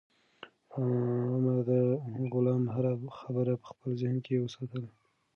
عمر د غلام هره خبره په خپل ذهن کې وساتله.